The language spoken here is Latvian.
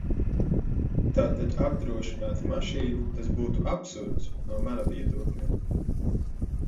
Tātad apdrošināt mašīnu, tas būtu absurds, no mana viedokļa.